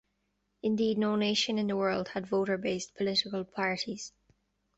Indeed, no nation in the world had voter-based political parties.